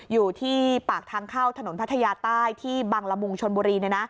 อยู่ที่ปากทางเข้าถนนพัทยาใต้ที่บังละมุงชนบุรี